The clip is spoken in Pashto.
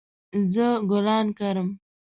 زه ګلان کرم